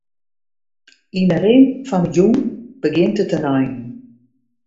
Yn 'e rin fan 'e jûn begjint it te reinen.